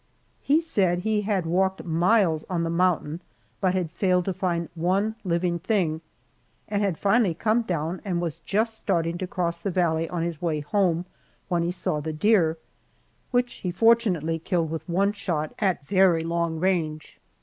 He said that he had walked miles on the mountain but had failed to find one living thing, and had finally come down and was just starting to cross the valley on his way home, when he saw the deer, which he fortunately killed with one shot at very long range.